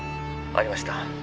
ありました